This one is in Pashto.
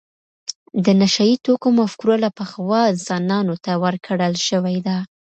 د نشه یې توکو مفکوره له پخوا انسانانو ته ورکړل شوې ده.